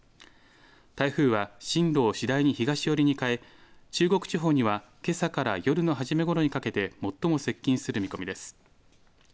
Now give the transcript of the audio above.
台風は進路を次第に東寄りに変え、中国地方にはけさから夜の初めごろにかけて最も接近する見込みです。